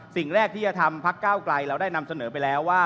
สิ่งแรกที่จะทำพักก้าวไกลเราได้นำเสนอไปแล้วว่า